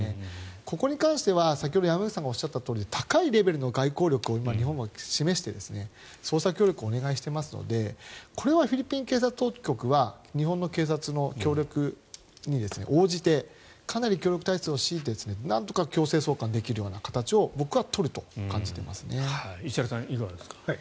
ここに関しては先ほど山口さんがおっしゃったとおり高いレベルの外交力を今、日本は示して捜査協力をお願いしていますのでこれはフィリピン警察当局は日本の警察の協力に応じてかなり協力体制を敷いてなんとか強制送還できるような形を石原さん、いかがですか？